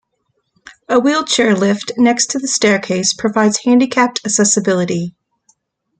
A wheelchair lift next to the staircase provides handicapped accessibility.